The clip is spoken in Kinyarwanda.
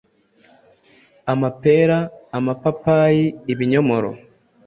amapera, amapapayi, ibinyomoro,